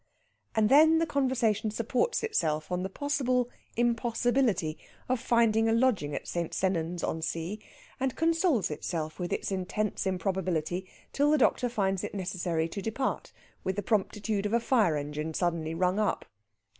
And then the conversation supports itself on the possible impossibility of finding a lodging at St. Sennans on Sea, and consoles itself with its intense improbability till the doctor finds it necessary to depart with the promptitude of a fire engine suddenly rung up.